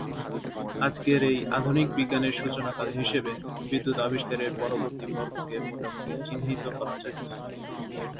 আজকের এই আধুনিক বিজ্ঞানের সূচনাকাল হিসেবে বিদ্যুৎ আবিষ্কারের পরবর্তী পর্বকে মোটামুটি চিহ্নিত করা যায়।